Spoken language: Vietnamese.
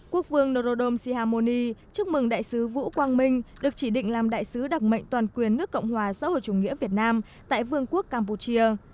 quốc vương norodom sihamoni chúc mừng đại sứ vũ quang minh được chỉ định làm đại sứ đặc mệnh toàn quyền nước cộng hòa xã hội chủ nghĩa việt nam tại vương quốc campuchia